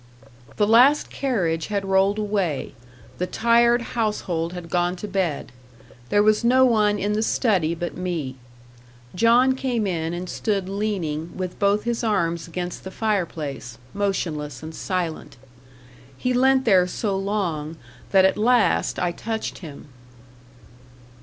The last carriage had rolled away; the tired household had gone to bed; there was no one in the study but me. John came in and stood leaning with both his arms against the fireplace, motionless and silent. He leant there so long, that at last I touched him.